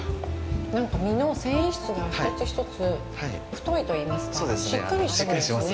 なんか、身の繊維質が１つ１つ、太いといいますか、しっかりしてますね。